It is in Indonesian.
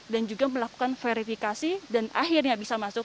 dan juga melakukan verifikasi dan akhirnya bisa masuk